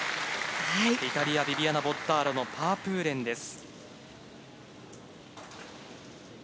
イタリア、ビビアナ・ボッターロのパープーレンです。